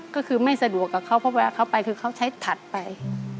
ก็คือไม่สะดวกกับเขาเพราะเวลาเขาไปคือเขาใช้ถัดไป